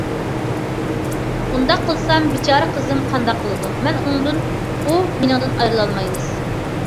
ئۇنداق قىلسام... بىچارە قىزىم قانداق قىلىدۇ؟ مەن ئۇنىڭدىن، ئۇ مېنىڭدىن ئايرىلالمايمىز.